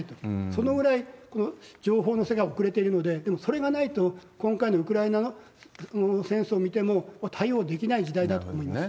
そのぐらい情報戦が遅れているので、でも、それがないと、今回のウクライナの戦争見ても、対応できない時代だと思います。